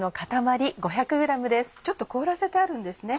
ちょっと凍らせてあるんですね。